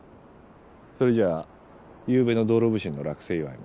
それじゃゆうべの道路普請の落成祝も。